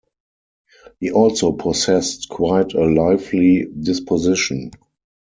He also possessed quite a lively disposition.